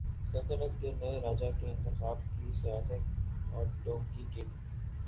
سلطنت کے نئے راجا کے انتخاب کی سیاست اور ڈونکی کنگ